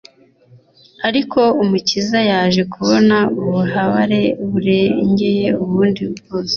Ariko Umukiza yaje kubona ububabare burengeje ubundi bwose.